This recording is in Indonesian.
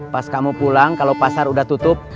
pas kamu pulang kalau pasar udah tutup